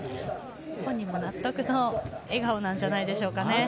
本人も納得の笑顔なんじゃないでしょうか。